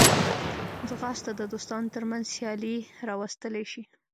ځغاسته د دوستانو ترمنځ سیالي راوستلی شي